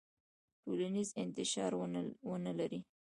ټولنیز انتشار ونلري.